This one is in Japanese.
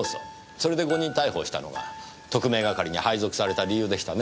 それで誤認逮捕したのが特命係に配属された理由でしたね。